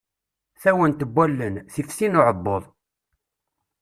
Tawant n wallen, tif tin uɛebbuḍ.